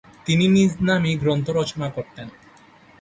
তিনি নিজ নামেই গ্রন্থ রচনা করতেন।